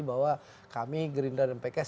bahwa kami gerindra dan pks